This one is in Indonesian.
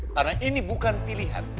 karena ini bukan pilihan